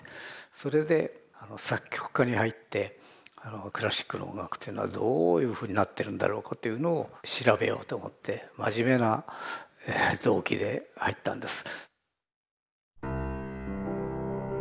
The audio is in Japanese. それで作曲科に入ってクラシックの音楽というのはどういうふうになってるんだろうかというのを調べようと思って真面目な動機で入ったんです。